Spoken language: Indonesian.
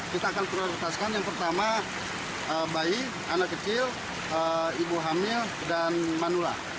kita akan prioritaskan yang pertama bayi anak kecil ibu hamil dan manula